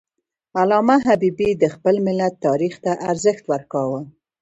علامه حبیبي د خپل ملت تاریخ ته ارزښت ورکاوه.